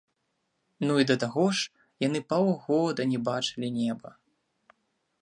Ну і да таго ж, яны паўгода не бачылі неба.